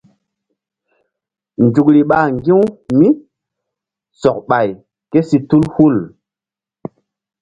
Nzukri ɓa ŋgi̧-u mí sɔk ɓay ké si tul hul.